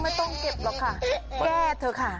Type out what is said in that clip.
ไม่ต้องเก็บหรอกค่ะแก้เถอะค่ะ